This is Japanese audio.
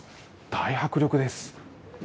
大迫力です。